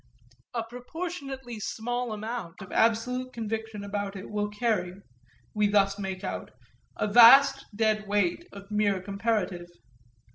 A proportionately small amount of absolute conviction about it will carry, we thus make out, a vast dead weight of mere comparative.